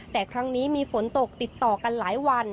แต่ครั้งนี้มีฝนตกติดต่อกันหลายวัน